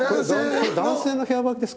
これ男性の部屋履きですか？